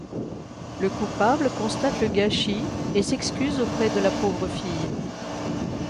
Le coupable constate le gâchis et s’excuse auprès de la pauvre fille.